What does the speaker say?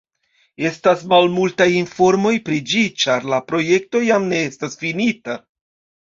Estas malmultaj informoj pri ĝi, ĉar la projekto jam ne estas finita.